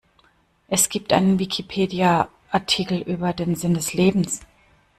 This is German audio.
Es gibt einen Wikipedia-Artikel über den Sinn des Lebens.